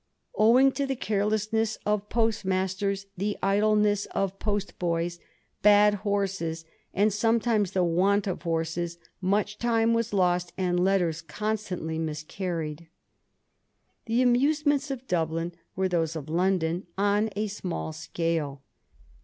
Owing to the careless ness of postmasters, the idleness of post boys, bad horses, and sometimes the want of horses, much time was lost and letters constantly miscarried. The amusements of Dublin were those of London on a small scale.